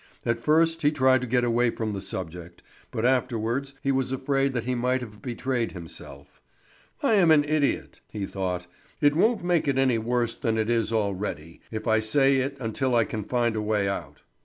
At first he tried to get away from the subject, but afterwards he was afraid that he might have betrayed himself. "I am an idiot," he thought. "It won't make it any worse than it is already if I say it until I can find a way out."